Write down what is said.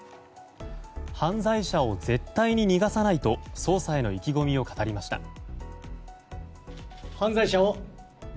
犯罪者を絶対に逃がさないと捜査への意気込みを語りました。